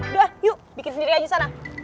udah yuk bikin sendiri aja di sana